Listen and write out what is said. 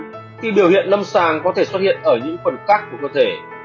cơ quan bị ung thư đã di căn khi biểu hiện lâm sàng có thể xuất hiện ở những phần cắt của cơ thể